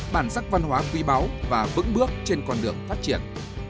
bản sắc văn hóa quý báu và vững bước trên con đường phát triển